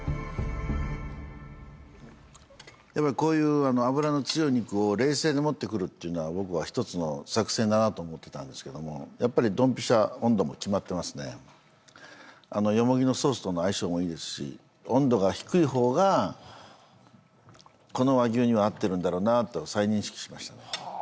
やっぱりこういう脂の強い肉を冷製で持ってくるっていうのは僕は１つの作戦だなと思ってたんですけどもやっぱりどんぴしゃ温度も決まってますねよもぎのソースとの相性もいいですしと再認識しましたね